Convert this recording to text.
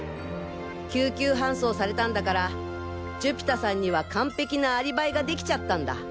救急搬送されたんだから寿飛太さんには完璧なアリバイができちゃったんだ。